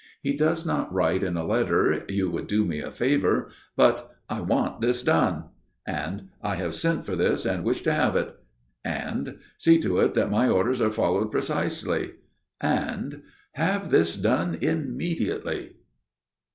He does not write in a letter: "You would do me a favor," but "I want this done," and "I have sent for this and wish to have it," and "See to it that my orders are followed precisely," and "Have this done immediately."